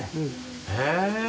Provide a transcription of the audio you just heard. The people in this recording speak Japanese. へえ。